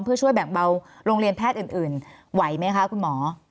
เพื่อช่วยแบ่งเบาโรงเรียนแพทย์อื่นไหวไหมคะคุณหมอ